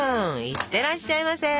いってらっしゃいませ！